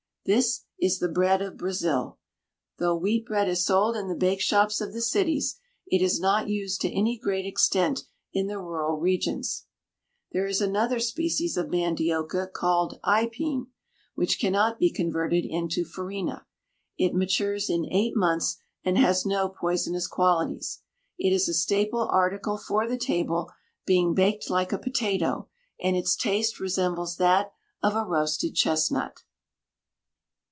This is the bread of Brazil. Though wheat bread is sold in the bakeshops of the cities, it is not used to any great extent in the rural regions. There is another species of mandioca called aipin (pronounced i peen), which cannot be converted into farinha. It matures in eight months and has no poisonous qualities. It is a staple article for the table, being baked like a potato, and its taste resembles that of a roasted chestnut.